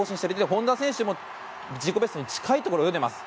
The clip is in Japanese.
本多選手も自己ベストに近いところで泳いでいます。